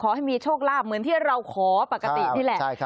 ขอให้มีโชคลาภเหมือนที่เราขอปกตินี่แหละ